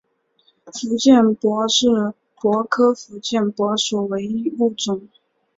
福建柏是柏科福建柏属唯一物种。